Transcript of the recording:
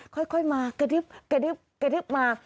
ค่อยมากระดึ๊บกระดึ๊บกระดึ๊บมา